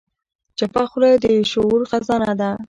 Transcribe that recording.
چپه خوله، د شعور خزانه ده.